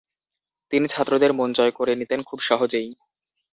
তিনি ছাত্রদের মন জয় করে নিতেন খুব সহজেই।